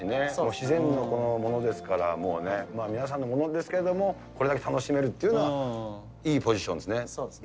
自然のものですから、皆さんのものですけれども、これだけ楽しめるっていうのは、いいポジションですね。